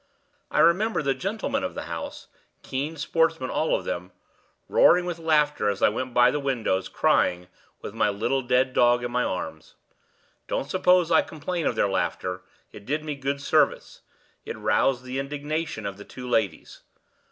I remember the gentlemen of the house (keen sportsmen all of them) roaring with laughter as I went by the windows, crying, with my little dead dog in my arms. Don't suppose I complain of their laughter; it did me good service; it roused the indignation of the two ladies.